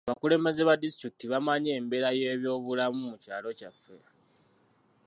Abakulembeze ba disitulikiti bamanyi embeera y'ebyobulamu mu kyalo kyaffe.